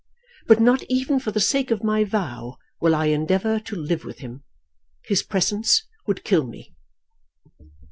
But not even for the sake of my vow, will I endeavour to live with him. His presence would kill me!"